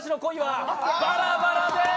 バラバラでーす！